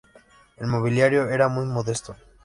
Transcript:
El mobiliario era muy modesto.